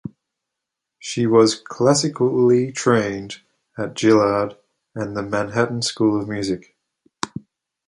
She was classically trained at Juilliard and the Manhattan School of Music.